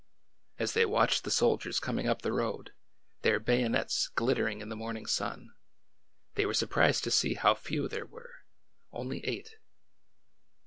As they watched the soldiers coming up the road, their bayonets glittering in the morning sun, they were surprised to see how few there were,— only eight.